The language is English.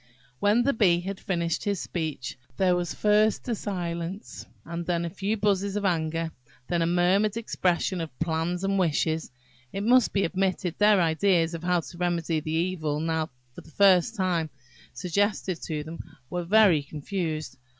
When the Bee had finished his speech, there was first a silence and then a few buzzes of anger, and then a murmured expression of plans and wishes. It must be admitted, their ideas of how to remedy the evil now for the first time suggested to them, were very confused.